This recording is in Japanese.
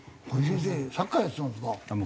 堀先生サッカーやってたんですか？